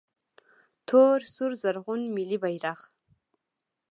🇦🇫 تور سور زرغون ملي بیرغ